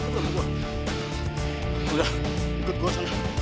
udah ikut gue aja